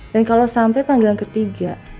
dan kalau sampai panggilan ketiga